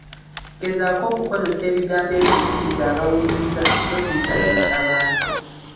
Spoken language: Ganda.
Gezaako okukozesa ebigambo ebisikiriza abawuliriza, totiisatiisa bantu.